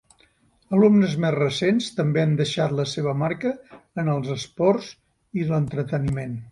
Alumnes més recents també han deixat la seva marca en els esports i l'entreteniment.